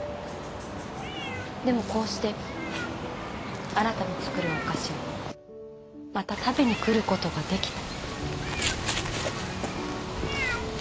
でもこうしてあなたの作るお菓子をまた食べに来ることができた。